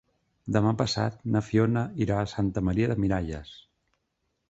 Demà passat na Fiona irà a Santa Maria de Miralles.